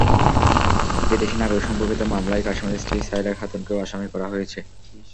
বিদেশি নাগরিক সম্পর্কিত মামলায় কাশেমের স্ত্রী সাইরা খাতুনকেও আসামি করা হয়েছে।